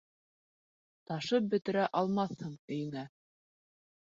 Ташып бөтөрә алмаҫһың өйөңә.